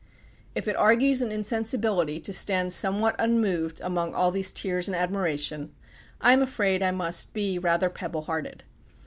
If it "argues an insensibility" to stand somewhat unmoved among all these tears and admiration, I am afraid I must be rather pebble hearted.